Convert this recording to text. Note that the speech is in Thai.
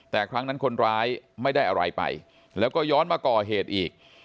แต่ครั้งนั้นคนร้ายไม่ได้อะไรไปแล้วก็ย้อนมาก่อเหตุอีก